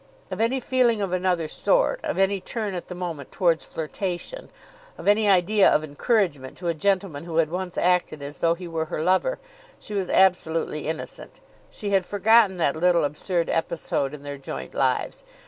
Of any feeling of another sort, of any turn at the moment towards flirtation, of any idea of encouragement to a gentleman who had once acted as though he were her lover, she was absolutely innocent. She had forgotten that little absurd episode in their joint lives.